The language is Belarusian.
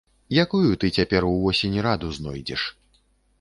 Якую ты цяпер увосень раду знойдзеш?